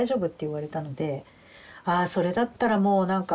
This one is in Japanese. ああそれだったらもうなんか。